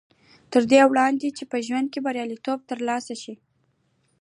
تر دې وړاندې چې په ژوند کې برياليتوب تر لاسه شي.